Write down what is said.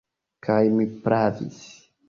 Kaj mi pravis.